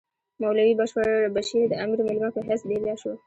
مولوی بشیر د امیر مېلمه په حیث دېره شو.